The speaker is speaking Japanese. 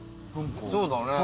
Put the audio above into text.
そうだね。